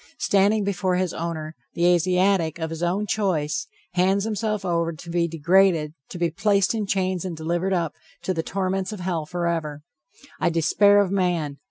Standing before his owner, the Asiatic, of his own choice, hands himself over to be degraded, to be placed in chains and delivered up to the torments of hell forever. I despair of man.